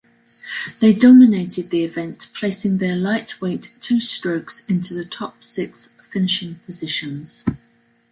They dominated the event placing their lightweight two-strokes into the top six finishing positions.